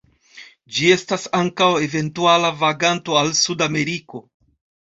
Ĝi estas ankaŭ eventuala vaganto al Sudameriko.